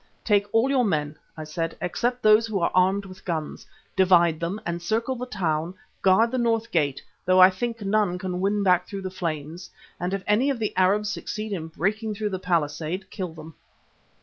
"Take all your men," I said, "except those who are armed with guns. Divide them, encircle the town, guard the north gate, though I think none can win back through the flames, and if any of the Arabs succeed in breaking through the palisade, kill them."